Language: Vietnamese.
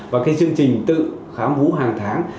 và cái chương trình tự khám vú hàng tháng